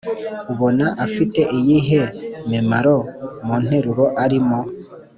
ubona afite iyihe mimaro mu nteruro arimo?